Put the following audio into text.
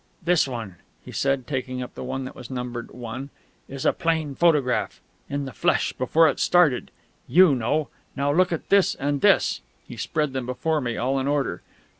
"This one," he said, taking up one that was numbered "1," "is a plain photograph, in the flesh, before it started; you know! Now look at this, and this " He spread them before me, all in order.